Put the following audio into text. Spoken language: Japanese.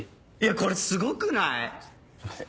これすごくない⁉すいません